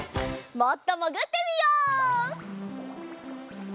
もっともぐってみよう！